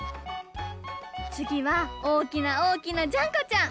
つぎはおおきなおおきなジャンコちゃん！